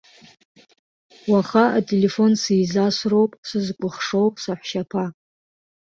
Уаха ателефон сизасроуп, сызкәыхшоу саҳәшьаԥа.